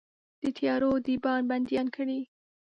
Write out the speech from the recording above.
د تیارو دیبان بنديان کړئ